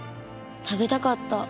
食べたかった。